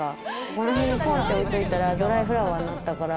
この辺にぽんって置いといたらドライフラワーになったから。